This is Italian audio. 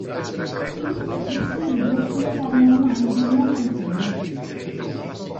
Qui scrisse un libro sulle Terme Romane di Monfalcone.